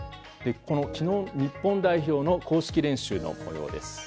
昨日、日本代表の公式練習の模様です。